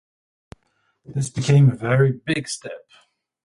This became a very big step.